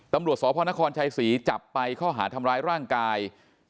ตำรวจสพนครชัยศรีจับไปข้อหาทำร้ายร่างกาย